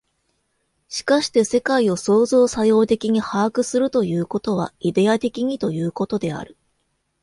しかして世界を創造作用的に把握するということは、イデヤ的にということである。